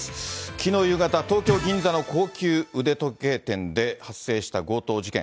きのう夕方、東京・銀座の高級腕時計店で発生した強盗事件。